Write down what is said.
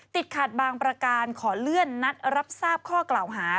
ติดขัดบางประการขอเลื่อนนัดรับทราบข้อกล่าวหา